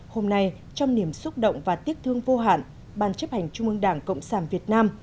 hôm nay trong niềm xúc động và tiếc thương vô hạn ban chấp hành trung ương đảng cộng sản việt nam